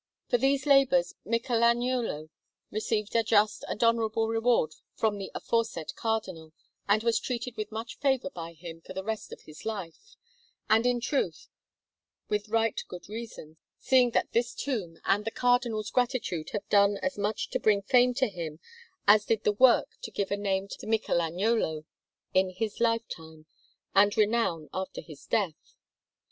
For these labours Michelagnolo received a just and honourable reward from the aforesaid Cardinal, and was treated with much favour by him for the rest of his life; and, in truth, with right good reason, seeing that this tomb and the Cardinal's gratitude have done as much to bring fame to him as did the work to give a name to Michelagnolo in his lifetime and renown after his death.